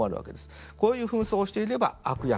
こういう扮装をしていれば悪役